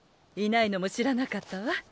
いないのも知らなかったわ。